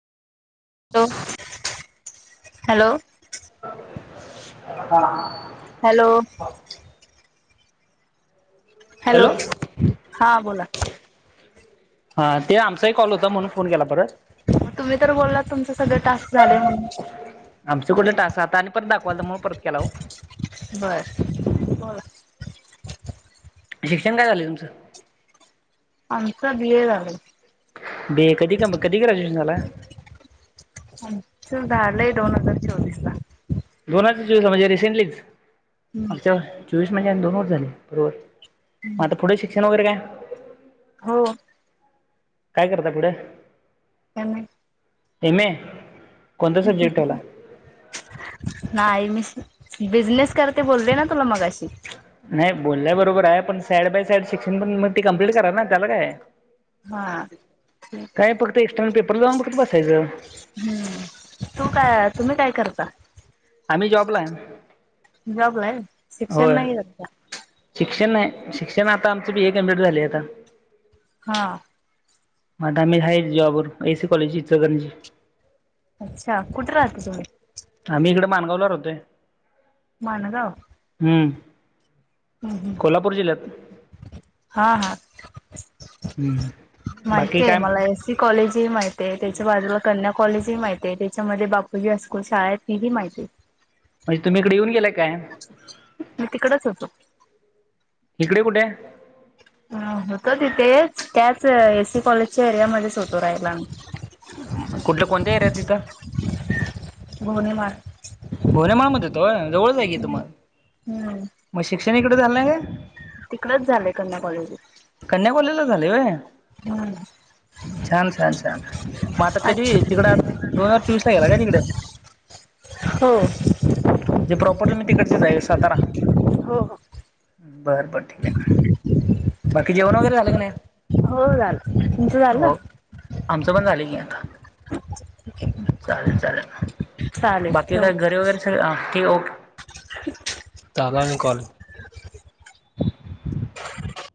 Hello hello. हा. Hello. Hello हा बोला. हा ते आमचाही कॉल होता म्हणून फोन केला परत तुम्ही तर बोललात तुमचं सगळं टास्क झाले म्हणून आमसकुड ट आसाहाताून बय बर. शिक्षण काय झालंय तुमचं? आमचा बीर. ब कधी क कधी ग्रॅजुएशन झाला. आमचं झालंय दोन हजार चोवीस ला दोनाच चूस म्हणजे रिसेंटलीच. हम्म अचछा चू दोनर झाले बरोबर. आता पुढे शिक्षण वगैरे काय हो. काय करता पुढं. त्यां तमे नाही मिस. बिझनेस करते बोल र ना तुला मग नाही बोलला ब. बरोबर आहे पण साईड बाय साईड शिक्षण प मग त ते कम्प्लीट करा ना त्याला काय हा क काय फक्त एक्स्टर्नल पेपर जाऊन फक्त बसायचं हम्म तू काय तुम्ही काय करता? आम्ही जॉबला आहे जॉबला आहे शिक्षण होय नाही झाता शिक्षण नाही शिक्षण आता आमचं बी ए कमप्लीट झाले आता हा मताम झाा जॉबर एसी कॉलेजची जगनजी अच्छा कुठे राहते तुडे आम्ही इकडे माणगावला र होते मान काव हम हा हा हम्म बाकी माहिती आहे काय मला म्हणजे एससी कॉलेज ते माहिती ते त्याच्या बाजूला कन्या कॉलेज ही माहिती त्याच्यामध्ये बापूजी असो शाळेत नली माहिती म्हणजे तुम्ही इकडे येऊन गेलाय काय मी तिकडच होतो इकडे कुठे ह होत तिथेच त्याच एससी कॉलेजच्या एरियामध्येध्येच होतो राहियला कुठल्या कोणत्या एरियात तिथं गोणे मार भोवने माळ म्हणत होता होय म जवळ च हाय की हित हम्म मग हम्म मग शिक्षक न हिकडं झालं नहीं तिकडच झालंय कन्या कॉलेज ला कन्या कॉलेजला झालंय होय हम्म छान छान छान मता अच्छा कधी तिकड दोन हजार चोवीस ला गेला काय तिकड हो म्हणजे प्रॉपर तुम्ही तिकडचेच आहे सातारा हो हो बर बर ठीक आहे बाकी जेवन वगैेरे झालं का नाय हो झालं तुमचं झालं हो आमचं पण झालं की आता चालेल चालेल चालेल बाकी ठेव काय मग घर वगैरे ओके चालू आहे अजून कॉल